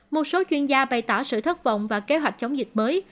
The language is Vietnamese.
một số chuyên gia bày tỏ sự thất vọng và kế hoạch chống dịch mới